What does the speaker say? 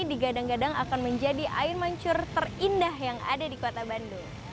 digadang gadang akan menjadi air mancur terindah yang ada di kota bandung